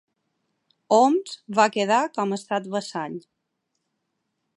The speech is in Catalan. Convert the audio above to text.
Homs va quedar com estat vassall.